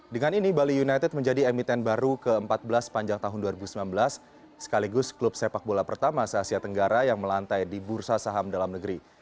dengan ini bali united menjadi emiten baru ke empat belas sepanjang tahun dua ribu sembilan belas sekaligus klub sepak bola pertama se asia tenggara yang melantai di bursa saham dalam negeri